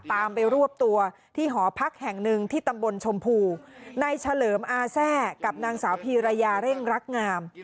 ตามไปรวบตัวที่หอพักแห่งหนึ่งที่ตำบลชมพูนายเฉลิมอาแซ่กับนางสาวพีรยาเร่งรักงาม